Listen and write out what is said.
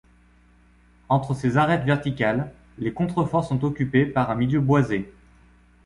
Entre ces arêtes verticales, les contreforts sont occupés par un milieu boisé.